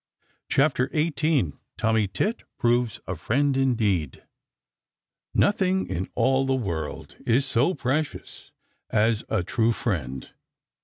CHAPTER XVIII TOMMY TIT PROVES A FRIEND INDEED Nothing in all the world is so precious as a true friend.